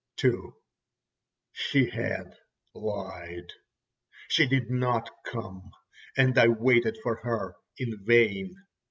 ho!" II She had lied. She did not come, and I waited for her in vain.